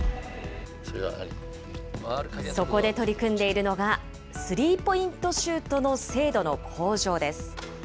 そこで取り組んでいるのが、スリーポイントシュートの精度の向上です。